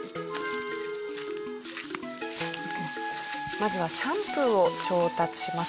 まずはシャンプーを調達します。